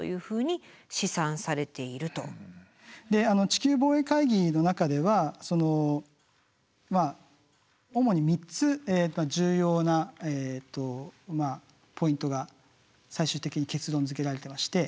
地球防衛会議の中では主に３つ重要なポイントが最終的に結論づけられてまして。